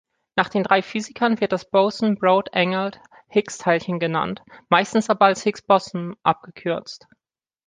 Nach den drei Physikern wird das Boson Brout-Englert-Higgs-Teilchen genannt, meistens aber als Higgs-Boson abgekürzt.